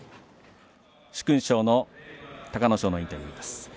殊勲賞の隆の勝のインタビューです。